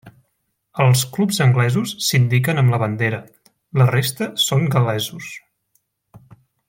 Els clubs anglesos s'indiquen amb la bandera, la resta són gal·lesos.